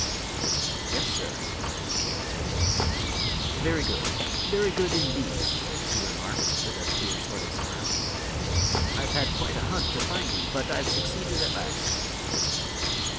"Yes, sir," she answered. "Very good; very good, indeed!" he remarked, with a queer sort of smile. "I've had quite a hunt to find you, but I've succeeded at last."